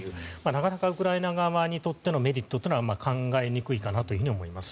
なかなかウクライナ側にとってのメリットは考えにくいかなと思います。